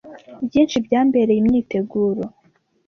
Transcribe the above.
Byinshi byambereye imyiteguro,